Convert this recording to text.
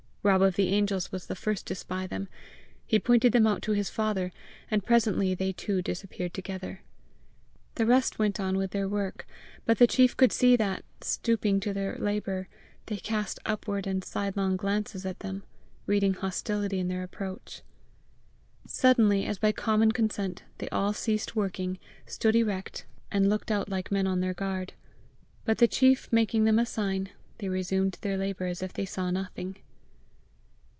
Rob of the Angels was the first to spy them. He pointed them out to his father, and presently they two disappeared together. The rest went on with their work, but the chief could see that, stooping to their labour, they cast upward and sidelong glances at them, reading hostility in their approach. Suddenly, as by common consent, they all ceased working, stood erect, and looked out like men on their guard. But the chief making them a sign, they resumed their labour as if they saw nothing.